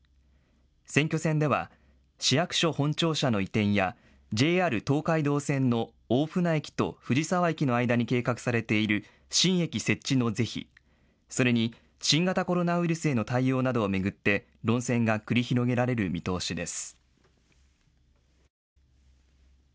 選挙戦では市役所本庁舎の移転やＪＲ東海道線の大船駅と藤沢駅の間に計画されている新駅設置の是非、それに新型コロナウイルスへの対応などを巡って論戦が繰り広げられる見通しです。